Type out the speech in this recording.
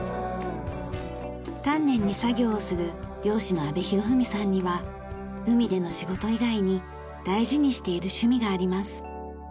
丹念に作業をする漁師の阿部仁文さんには海での仕事以外に大事にしている趣味があります。